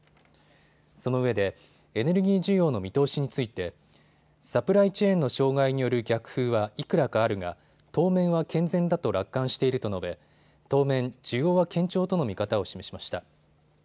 そのうえでエネルギー需要の見通しについてサプライチェーンの障害による逆風はいくらかあるが当面は健全だと楽観していると述べ当面、需要は堅調との見方を示しました。